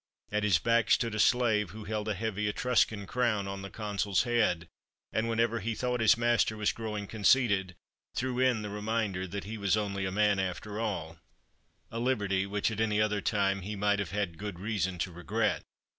At his back stood a slave, who held a heavy Etruscan crown on the Consul's head, and whenever he thought his master was growing conceited, threw in the reminder that he was only a man after all a liberty which at any other time he might have had good reason to regret.